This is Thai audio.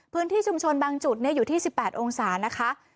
พื้นที่ชุมชนบางจุดอยู่ที่๑๘องศานะคะ